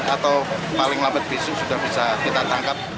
atau paling lambat besok sudah bisa kita tangkap